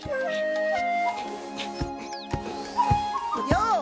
よう！